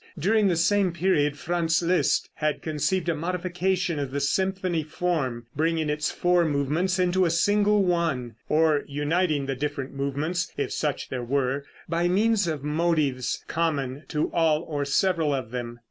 During the same period Franz Liszt had conceived a modification of the symphony form, bringing its four movements into a single one, or uniting the different movements (if such there were) by means of motives common to all or several of them.